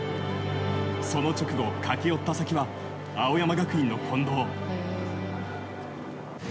その直後、駆け寄った先は青山学院の近藤。